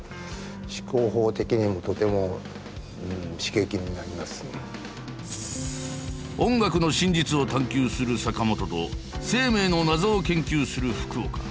大変音楽の真実を探究する坂本と生命の謎を研究する福岡。